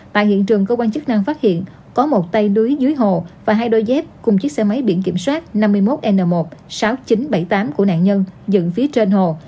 tại hiện trường cơ quan chức năng phát hiện có một tay núi dưới hồ và hai đôi dép cùng chiếc xe máy biển kiểm soát năm mươi một n một sáu nghìn chín trăm bảy mươi tám của nạn nhân dựng phía trên hồ